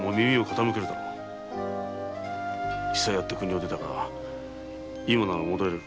子細あって国を出たが今なら戻れる。